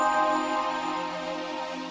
yang pakar emang réuss